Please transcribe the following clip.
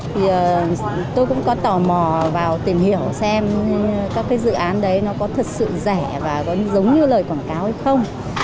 thì tôi cũng có tò mò vào tìm hiểu xem các cái dự án đấy nó có thật sự rẻ và có giống như lời quảng cáo hay không